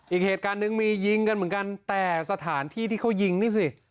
อีกเหตุการณ์หนึ่งมียิงกันเหมือนกันแต่สถานที่ที่เขายิงนี่สิ